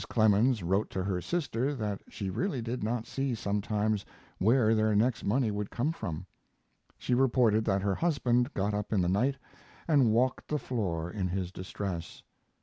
Clemens wrote to her sister that she really did not see sometimes where their next money would come from. She reported that her husband got up in the night and walked the floor in his distress.